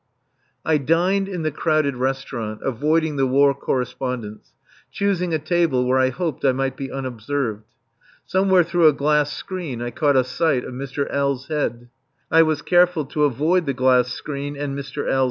_] I dined in the crowded restaurant, avoiding the War Correspondents, choosing a table where I hoped I might be unobserved. Somewhere through a glass screen I caught a sight of Mr. L.'s head. I was careful to avoid the glass screen and Mr. L.'